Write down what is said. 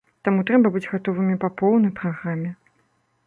Таму трэба быць гатовымі па поўнай праграме.